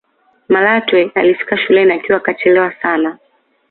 malatwe alifika shuleni akiwa kachelewa sana